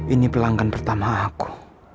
ini pelanggan pertama aku